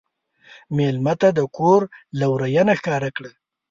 مېلمه ته د کور لورینه ښکاره کړه.